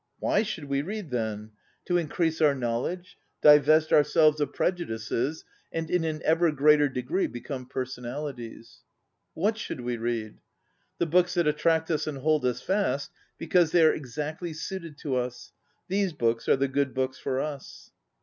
Why should we read, then? To 62 ON READING increase our knowledge, divest our selves of prejudices, and in an ever greater degree become personalities. What should we read? The books that attract us and hold us fast, because they are exactly suited to us. These books are the good books for us.